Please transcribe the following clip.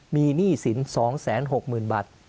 มีหนี้สิน๒๖๐๐๐บาท